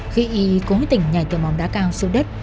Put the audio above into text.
khi cố tỉnh nhảy từ mỏng đá cao xuống đất